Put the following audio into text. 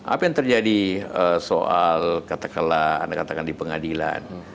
apa yang terjadi soal katakanlah di pengadilan